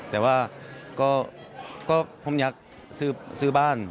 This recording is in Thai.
แต่ว่าก็ผมอยากซื้อบ้าน